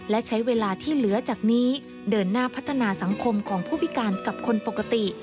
และใช้เวลาที่เหลือจากนี้เดินหน้าพัฒนาสังคมของผู้พิการกับคนปกติ